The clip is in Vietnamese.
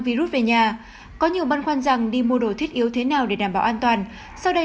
virus về nhà có nhiều băn khoăn rằng đi mua đồ thiết yếu thế nào để đảm bảo an toàn sau đây